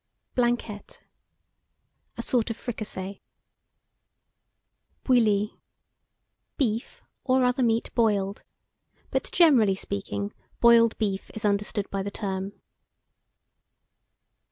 BLANQUETTE. A sort of fricassee. BOUILLI. Beef or other meat boiled; but, generally speaking, boiled beef is understood by the term.